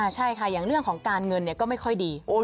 ใช่ค่ะอย่างเรื่องของการเงินก็ไม่ค่อยดี